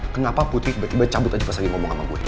kenapa putri kebetulan cabut pas lagi ngomong sama gue